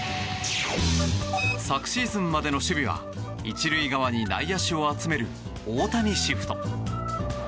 昨シーズンまでの守備は１塁側に内野手を集める大谷シフト。